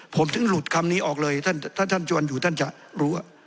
ผมถึงหลุดคำนี้ออกเลยถ้าท่านจวนอยู่ท่านจะรู้